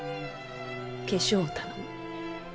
化粧を頼む。